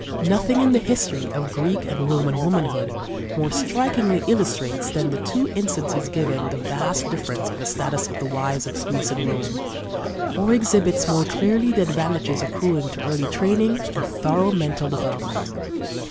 Nothing in the history of Greek and Roman womanhood more strikingly illustrates than the two instances given the vast difference in the status of the wives of Greece and Rome, or exhibits more clearly the advantages accruing to early training and thorough mental development.